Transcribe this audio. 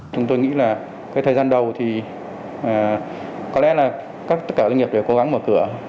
chúng tôi nghĩ là cái thời gian đầu thì có lẽ là tất cả doanh nghiệp đều cố gắng mở cửa